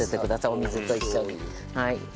お水と一緒に。